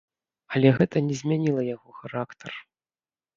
Але гэта не змяніла яго характар.